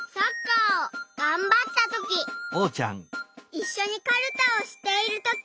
いっしょにかるたをしているとき。